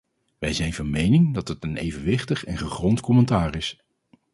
Wij zijn van mening dat het een evenwichtig en gegrond commentaar is.